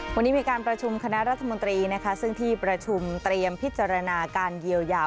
วันนี้มีการประชุมคณะรัฐมนตรีนะคะซึ่งที่ประชุมเตรียมพิจารณาการเยียวยา